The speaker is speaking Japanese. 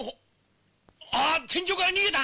あっ天井から逃げた！